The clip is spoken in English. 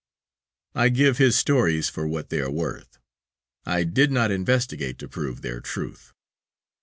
I give his stories for what they are worth; I did not investigate to prove their truth.